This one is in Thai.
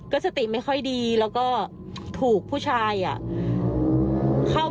ก็สติไม่ค่อยดีและก็ถูกผู้ชาย